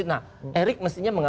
dan politiknya juga